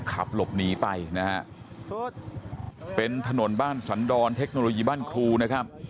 ขับหลบหนีไปนะฮะเป็นถนนบ้านสันดรเทคโนโลยีบ้านครูนะครับ